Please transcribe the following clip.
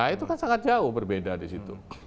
itu kan sangat jauh berbeda di situ